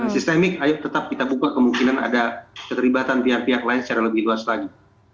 sistemik ayo tetap kita buka kemungkinan ada keterlibatan pihak pihak lain secara lebih luas lagi